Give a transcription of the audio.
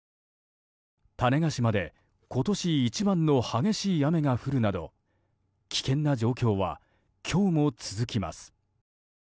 種子島で今年一番の激しい雨が降るなど危険な状況は今日も続きます。